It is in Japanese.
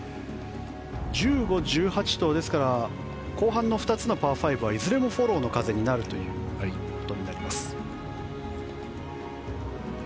１５、１８と後半の２つのパー５はいずれもフォローの風になるということになります。